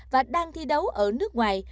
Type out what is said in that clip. và đang thi đấu ở nước ngoài